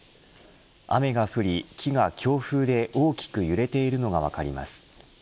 雨が降り木が強風で大きく揺れているのが分かります。